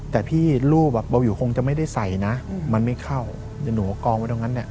แต่ที่รูปบ๊อบหิวคงจะไม่ได้ใส่นะมันไม่เข้าจะหนูอกลองไว้ตรงนั้น